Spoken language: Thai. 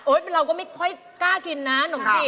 เราก็ไม่ค่อยกล้ากินนะหนมจิ